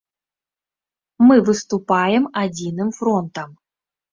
Мы выступаем адзіным фронтам.